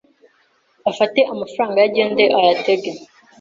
Afate amafaranga ye agende ayatege.